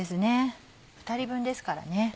２人分ですからね。